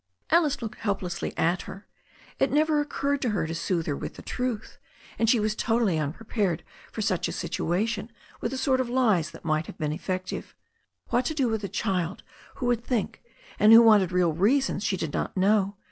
Alice looked helplessly at her. It never occurred to her to soothe her with the truth, and she was totally unprepared for such a situation with the sort of lies that might have been effective. What to do with a child who would think, and who wanted real reasons she did not know.